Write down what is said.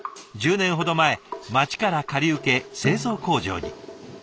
１０年ほど前町から借り受け製造工場に。